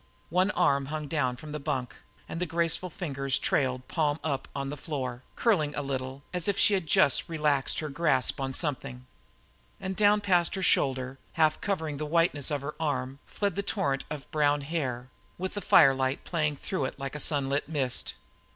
One arm hung down from the bunk and the graceful fingers trailed, palm up, on the floor, curling a little, as if she had just relaxed her grasp on something. And down past her shoulder, half covering the whiteness of her arm, fled the torrent of brown hair, with the firelight playing through it like a sunlit mist.